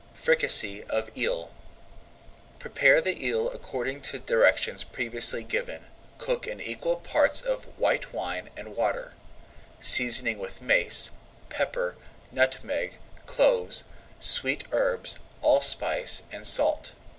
FRICASSÉE OF EEL Prepare the eel according to directions previously given, cook in equal parts of white wine and water, seasoning with mace, pepper, nutmeg, cloves, sweet herbs, allspice, and salt.